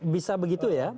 bisa begitu ya